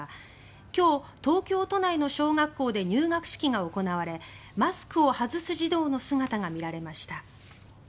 今日、東京都内の小学校で入学式が行われマスクを外す児童の姿が見られました。